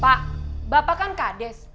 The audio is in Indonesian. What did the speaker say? pak bapak kan kades